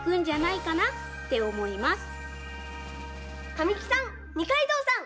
神木さん二階堂さん